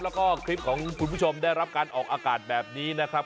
แล้วก็คลิปของคุณผู้ชมได้รับการออกอากาศแบบนี้นะครับ